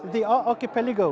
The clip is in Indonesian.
di seluruh peringkat